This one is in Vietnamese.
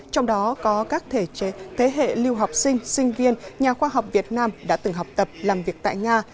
trong đó có các thế hệ lưu học sinh sinh viên nhà khoa học việt nam đã từng học tập làm việc tại nga